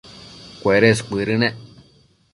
cuedes cuëdënec